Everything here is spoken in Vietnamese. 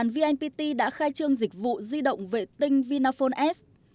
vnpt đã khai trương dịch vụ di động vệ tinh vinaphone s